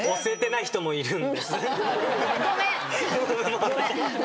ごめん。